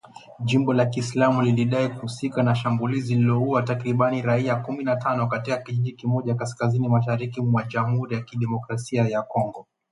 Jimbo la kiislamu lilidai kuhusika na shambulizi lililoua takribani raia kumi na tano katika kijiji kimoja kaskazini-mashariki mwa Jamhuri ya Kidemokrasi ya Kongo.